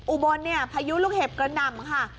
อุบลเนี่ยพายุลูกเห็บกระหน่ำค่ะ